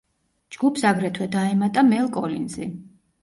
ჯგუფს აგრეთვე დაემატა მელ კოლინზი.